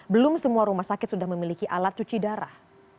belum semua rumah sakit sudah memiliki alat cuci darah